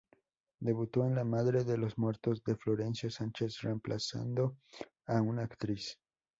Debutó en "La madre de los muertos...", de Florencio Sánchez reemplazando a una actriz.